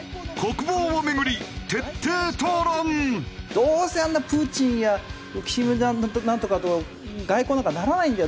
どうせあんなプーチンや金ナントカと外交なんかならないんだよ。